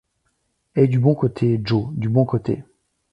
Et du bon côté, Joe, du bon côté.